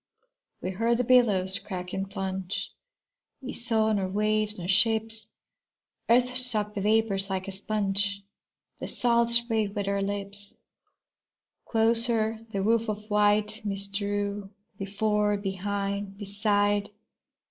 We heard the billows crack and plunge, We saw nor waves nor ships. Earth sucked the vapors like a sponge, The salt spray wet our lips. Closer the woof of white mist drew, Before, behind, beside.